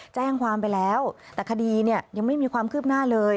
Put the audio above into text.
แจ้งความไปแล้วแต่คดีเนี่ยยังไม่มีความคืบหน้าเลย